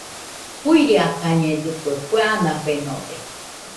Fuiakañedɨkue, kue anafenode.